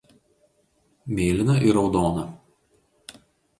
Mėlyna ir raudona.